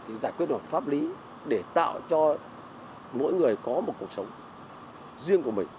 thì giải quyết được pháp lý để tạo cho mỗi người có một cuộc sống riêng của mình